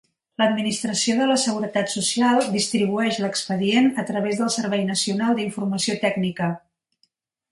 L'administració de la seguretat social distribueix l'expedient a través del servei Nacional d'informació tècnica.